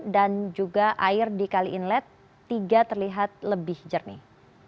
dan juga air di kali inlet tiga terlihat lebih jernih